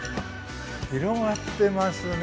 広がってますね。